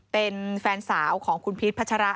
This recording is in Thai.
เป็นแฟนสาวของคุณพีชพัชระ